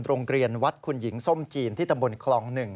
โรงเรียนวัดคุณหญิงส้มจีนที่ตำบลคลอง๑